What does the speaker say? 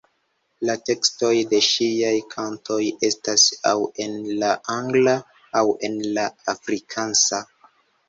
La tekstoj de ŝiaj kantoj estas aŭ en la angla aŭ en la afrikansa.